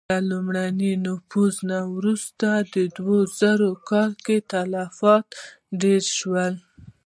له لومړي نفوذ وروسته دوه زره کاله کې تلفات ډېر شول.